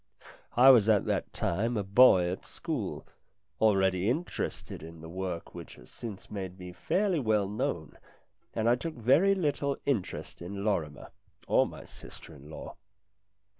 I was at that time a boy at school, already interested in the work which has since made me fairly well known, and I took very little interest in Lorrimer or my sister in law.